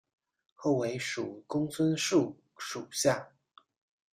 后为蜀公孙述属下。